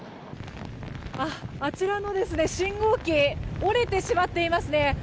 あちらの信号機折れてしまっていますね。